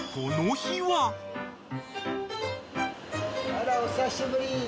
あらお久しぶり。